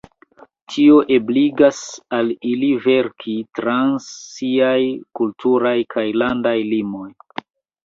Tio ebligas al ili verkis trans siaj kulturaj kaj landaj limoj.